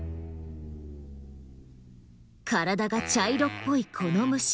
体が茶色っぽいこの虫。